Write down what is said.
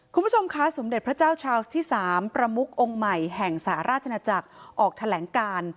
คุณผู้ชมคะสมเด็จพระเจ้าชาวส์ที่๓ประมุกองค์ใหม่แห่งสหราชนาจักรออกแถลงการ